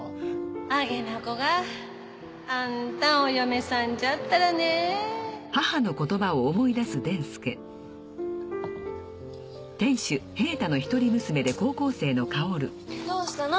あげな子があんたんお嫁さんじゃったらねどうしたの？